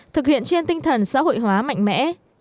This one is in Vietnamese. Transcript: thực hiện trên tinh thần xã hội hóa mạnh mẽ